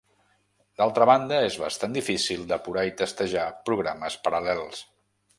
D'altra banda, és bastant difícil depurar i testejar programes paral·lels.